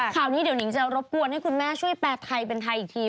ข่าวนี้เดี๋ยวนิงจะรบกวนให้คุณแม่ช่วยแปลไทยเป็นไทยอีกที